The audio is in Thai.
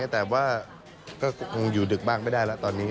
แต่ว่าก็คงอยู่ดึกบ้างไม่ได้แล้วตอนนี้